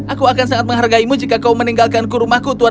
aku akan sangat menghargaimu jika kau meninggalkanku rumahku tuan